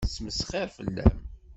Tettmesxiṛ fell-am.